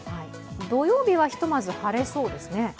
土曜日はひとまず晴れそうですね？